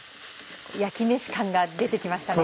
焼き飯感が出て来ましたね。